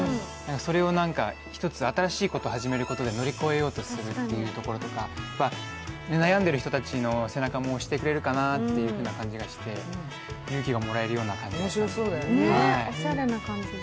それを一つ新しいことを始めることで乗り越えようとするというところとか悩んでる人たちの背中も押してくれるかなって感じもして、勇気がもらえるような感じだったので。